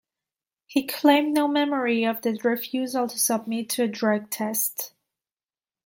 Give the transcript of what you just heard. He claimed no memory of the refusal to submit to a drug test.